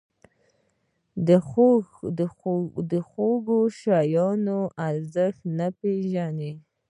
د خواږه شیانو ارزښت نه پېژني.